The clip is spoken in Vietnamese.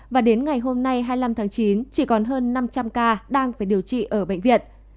và đến ngày hôm nay hai mươi năm tháng chín chỉ còn hơn năm trăm linh ca đang phải điều trị ở bệnh viện